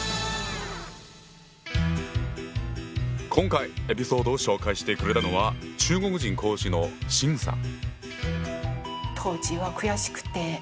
今回エピソードを紹介してくれたのは中国人講師の秦さん。